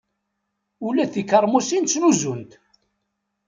Ula d tikermusin ttnuzunt!